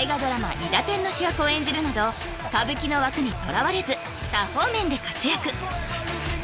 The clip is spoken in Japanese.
「いだてん」の主役を演じるなど歌舞伎の枠にとらわれず多方面で活躍